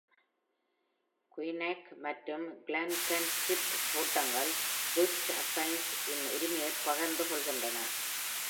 Quinag மற்றும் Glencanisp தோட்டங்கள் Loch Assynt இன் உரிமையைப் பகிர்ந்து கொள்கின்றன.